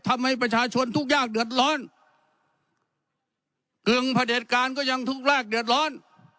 ทำให้ประชาชนทุกยากเดือดร้อนกึงพระเด็จการก็ยังทุกแรกเดือดร้อน